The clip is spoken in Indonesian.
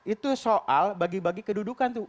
itu soal bagi bagi kedudukan tuh